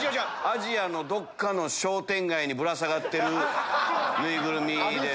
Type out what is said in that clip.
アジアのどっかの商店街にぶら下がってるぬいぐるみです。